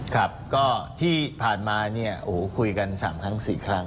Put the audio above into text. ครับก็ที่ผ่านมาเนี่ยโอ้โหคุยกัน๓ครั้ง๔ครั้ง